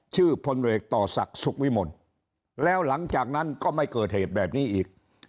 พลเรกต่อศักดิ์สุขวิมลแล้วหลังจากนั้นก็ไม่เกิดเหตุแบบนี้อีก